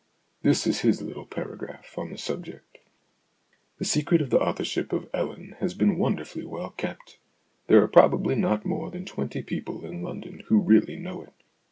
This is his little paragraph on the subject :" The secret of the authorship of * Ellen ' has been wonderfully well kept. There are probably not more than twenty people in London who really know it.